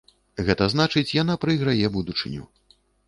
Гэта значыць, яна прайграе будучыню.